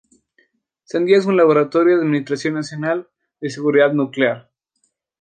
Sandia es un laboratorio de Administración Nacional de Seguridad Nuclear.